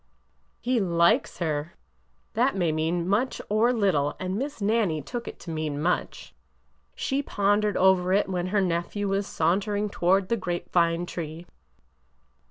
He likes her! It may mean much or little, and Miss Nannie took it to mean much. She pondered over it when her nephew was sauntering toward the grape vine tree.